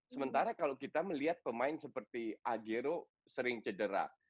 sementara kalau kita melihat pemain seperti agero sering cedera